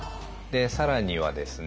更にはですね